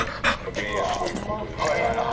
減塩ということで。